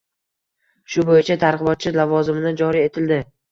Shu bo‘yicha targ‘ibotchi lavozimi joriy etildi.